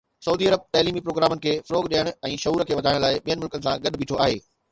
سعودي عرب تعليمي پروگرامن کي فروغ ڏيڻ ۽ شعور کي وڌائڻ لاء ٻين ملڪن سان گڏ بيٺو آهي